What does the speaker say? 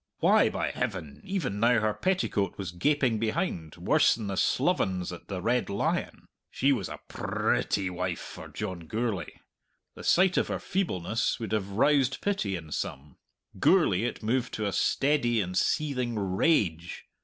Why, by Heaven, even now her petticoat was gaping behind, worse than the sloven's at the Red Lion. She was a pr r retty wife for John Gourlay! The sight of her feebleness would have roused pity in some: Gourlay it moved to a steady and seething rage.